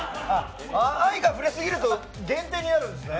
愛があふれすぎると減点になるんですね。